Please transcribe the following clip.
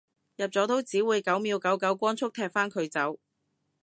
入咗都只會九秒九九光速踢返佢走